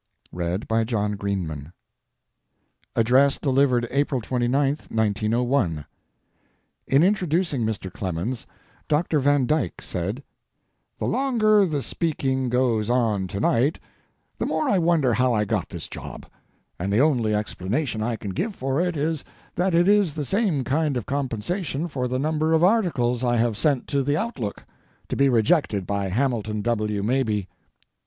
DINNER TO HAMILTON W. MABIE ADDRESS DELIVERED APRIL 29, 1901 In introducing Mr. Clemens, Doctor Van Dyke said: "The longer the speaking goes on to night the more I wonder how I got this job, and the only explanation I can give for it is that it is the same kind of compensation for the number of articles I have sent to The Outlook, to be rejected by Hamilton W. Mabie.